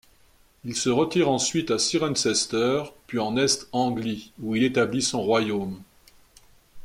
Il se retire ensuite à Cirencester, puis en Est-Anglie, où il établit son royaume.